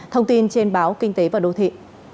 thông tin trên báo kinh tế và đô thị